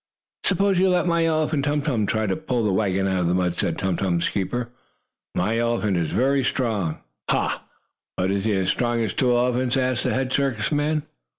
"Suppose you let my elephant, Tum Tum, try to pull the wagon out of the mud," said Tum Tum's keeper. "My elephant is very strong." "Ha! But is he as strong as two elephants?" asked the head circus man.